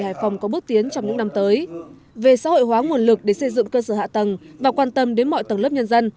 hải phòng sẽ hội hóa nguồn lực để xây dựng cơ sở hạ tầng và quan tâm đến mọi tầng lớp nhân dân